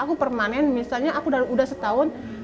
aku permanen misalnya aku udah setahun